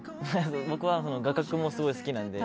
僕は画角もすごい好きなので。